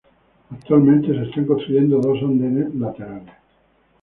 Actualmente se están construyendo dos andenes laterales.